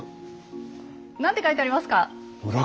何て書いてありますか？